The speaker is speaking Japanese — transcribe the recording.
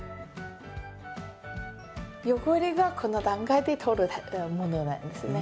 汚れがこの段階で取れるものなんですね。